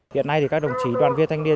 hiện nay thì các đồng chí đoàn viên thanh niên